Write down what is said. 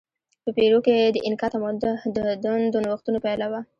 په پیرو کې د اینکا تمدن د نوښتونو پایله وه.